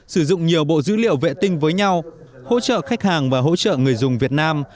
sử dụng nhiều bộ dữ liệu vệ tinh với nhau hỗ trợ khách hàng và hỗ trợ người dùng việt nam